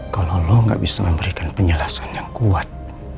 kalau allah gak bisa memberikan penjelasan yang kuat